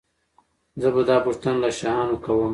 زه به دا پوښتنه له شاهانو کوله.